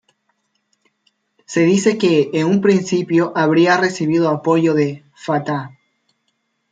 Se dice que en un principio habría recibido apoyo de Fatah.